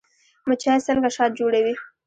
مچۍ څنګه شات جوړوي؟